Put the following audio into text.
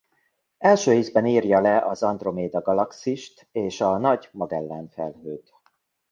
Első ízben írja le az Androméda galaxist és a Nagy Magellán Felhőt.